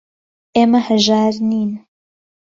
ئێمە هەژار نین.